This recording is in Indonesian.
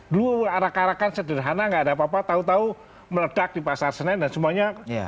dulu arak arakan sederhana nggak ada apa apa tahu tahu meledak di pasar senen dan semuanya